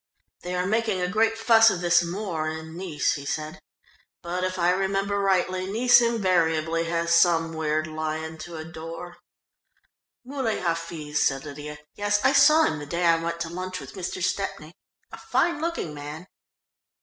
"They are making a great fuss of this Moor in Nice," he said, "but if I remember rightly, Nice invariably has some weird lion to adore." "Muley Hafiz," said Lydia. "Yes, I saw him the day I went to lunch with Mr. Stepney, a fine looking man."